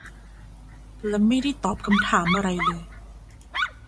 และไม่ได้ตอบคำถามอะไรเลย